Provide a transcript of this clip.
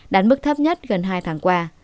đánh mức thấp nhất gần hai tháng qua